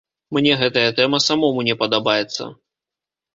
Мне гэтая тэма самому не падабаецца.